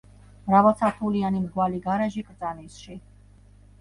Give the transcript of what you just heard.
მრავალსართულიანი მრგვალი გარაჟი კრწანისში.